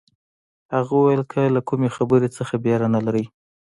هغه وویل که له کومې خبرې څه بېره نه لرئ.